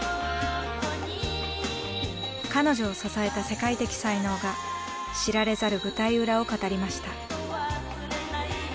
彼女を支えた世界的才能が知られざる舞台裏を語りました。